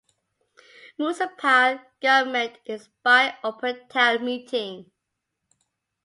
Municipal government is by open town meeting.